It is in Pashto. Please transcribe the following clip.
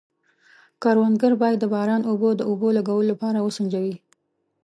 کروندګر باید د باران اوبه د اوبو لګولو لپاره وسنجوي.